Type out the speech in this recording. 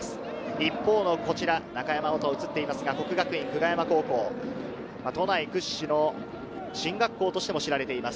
一方の中山織斗が映っていますが、國學院久我山高校、都内屈指の進学校としても知られています。